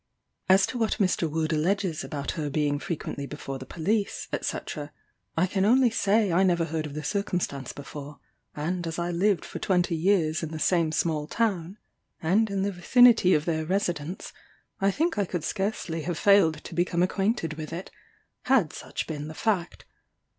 "As to what Mr. Wood alleges about her being frequently before the police, &c. I can only say I never heard of the circumstance before; and as I lived for twenty years in the same small town, and in the vicinity of their residence, I think I could scarcely have failed to become acquainted with it, had such been the fact.